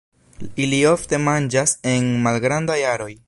Ili ofte manĝas en malgrandaj aroj.